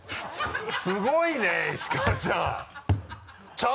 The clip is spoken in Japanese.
すごいね石川ちゃん